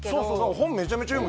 本めちゃめちゃ読む。